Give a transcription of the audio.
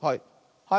はい。